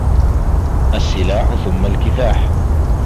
السلاح ثم الكفاح